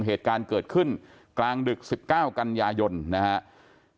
เหตุการณ์เกิดขึ้นกลางดึก๑๙กันยายนนะครับ